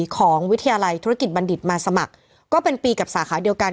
ของวิทยาลัยธุรกิจบัณฑิตมาสมัครก็เป็นปีกับสาขาเดียวกัน